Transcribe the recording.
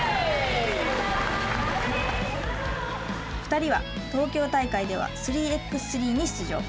２人は東京大会では３ｘ３に出場。